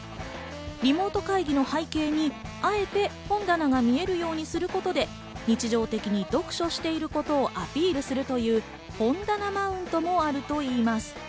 リモート会議の背景にあえて本棚が見えるようにすることで日常的に読書していることをアピールするという本棚マウントもあるといいます。